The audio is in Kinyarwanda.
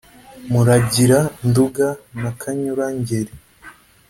muragira-nduga na kanyura-ngeri